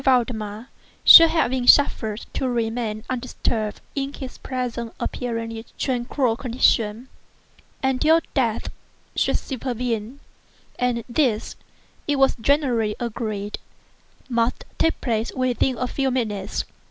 Valdemar should be suffered to remain undisturbed in his present apparently tranquil condition, until death should supervene—and this, it was generally agreed, must now take place within a few minutes.